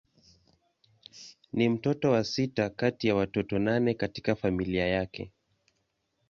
Ni mtoto wa sita kati ya watoto nane katika familia yake.